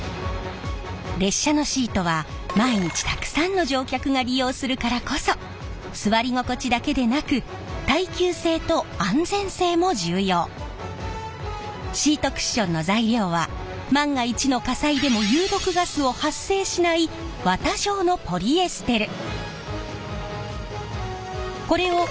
列車のシートは毎日たくさんの乗客が利用するからこそシートクッションの材料は万が一の火災でも有毒ガスを発生しない綿状のポリエステル。